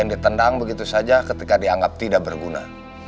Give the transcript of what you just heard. saya ingin ditendang begitu saja ketika dianggap tidak berguna